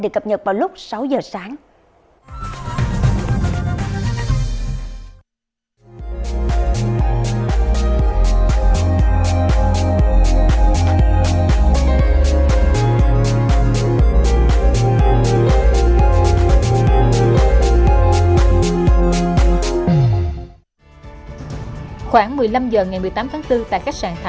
được cập nhật vào lúc sáu giờ sáng